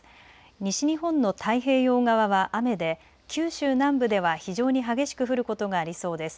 西日本の太平洋側は雨で九州南部では非常に激しく降ることがありそうです。